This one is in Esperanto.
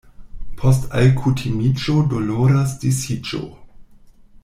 Post alkutimiĝo doloras disiĝo.